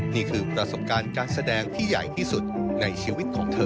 นี่คือประสบการณ์การแสดงที่ใหญ่ที่สุดในชีวิตของเธอ